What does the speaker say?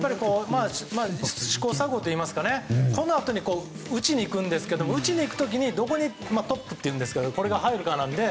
試行錯誤といいますかこのあとに打ちに行くんですが打ちに行く時にどこにトップが入るかなので。